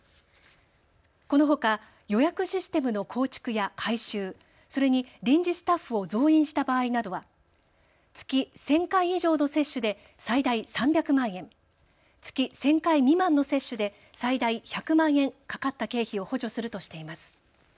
このほか予約システムの構築や改修、それに臨時スタッフを増員した場合などは月１０００回以上の接種で最大３００万円、月１０００回未満の接種で最大１００万円、かかった経費を補助するとしています。